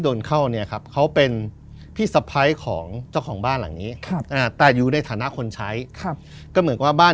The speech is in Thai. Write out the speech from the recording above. โดนเข้าเนี่ยครับเขาเป็นพี่สะพ้ายของเจ้าของบ้านหลังนี้แต่อยู่ในฐานะคนใช้ครับก็เหมือนกับว่าบ้าน